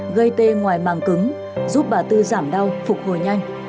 gây tê ngoài màng cứng giúp bà tư giảm đau phục hồi nhanh